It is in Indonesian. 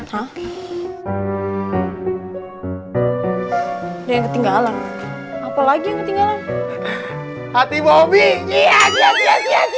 yang ketinggalan apalagi hati bobby